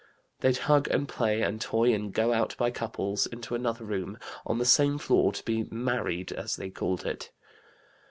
They'd hug and play and toy and go out by couples into another room, on the same floor, to be 'married,' as they called it."